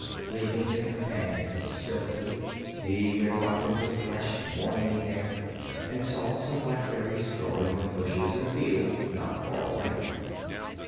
Leaving his companions still asleep, he went out into the fresh morning air and saw some blackberries growing on bushes in a field not far away.